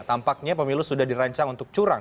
tampaknya pemilu sudah dirancang untuk curang